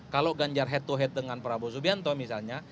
kalau ganjar head to head dengan prabowo subianto misalnya